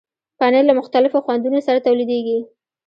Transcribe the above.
پنېر له مختلفو خوندونو سره تولیدېږي.